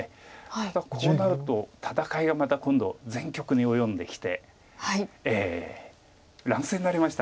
ただこうなると戦いがまた今度全局に及んできて乱戦になりました。